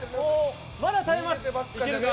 まだ耐えます。